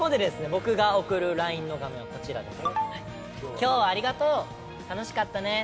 僕が送るＬＩＮＥの画面はこちらです。